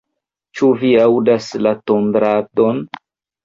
Ĉu vi aŭdas la tondradon?